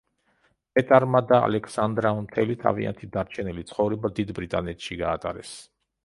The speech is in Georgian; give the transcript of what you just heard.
პეტარმა და ალექსანდრამ მთელი თავიანთი დარჩენილი ცხოვრება დიდ ბრიტანეთში გაატარეს.